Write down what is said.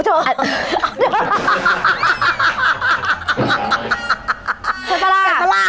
ช่วยตลาด